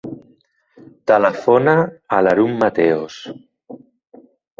Telefona a l'Haroun Mateos.